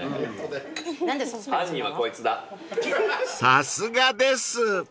［さすがです］